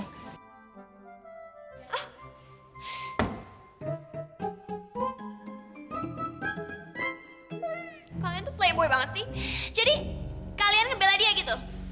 kalian tuh playboy banget sih jadi kalian bela dia gitu